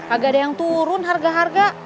agak ada yang turun harga harga